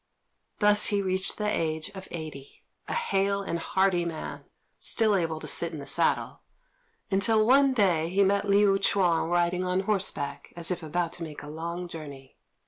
Thus he reached the age of eighty, a hale and hearty man, still able to sit in the saddle; until one day he met Liu Ch'üan riding on horseback, as if about to make a long journey.